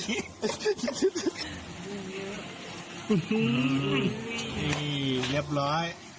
เฮ้ยเรียบร้อย